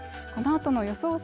このあとの予想